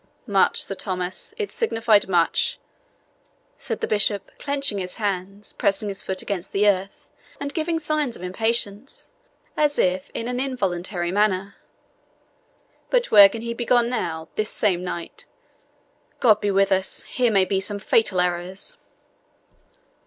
"Much, Sir Thomas it signified much," said the bishop, clenching his hands, pressing his foot against the earth, and giving signs of impatience, as if in an involuntary manner. "But where can he be gone now, this same knight? God be with us here may be some fatal errors!"